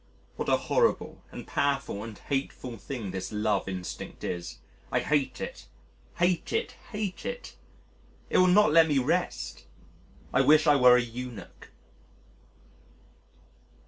What a horrible and powerful and hateful thing this love instinct is! I hate it, hate it, hate it. It will not let me rest. I wish I were a eunuch.